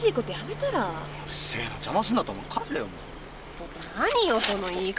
ちょっと何よその言い方。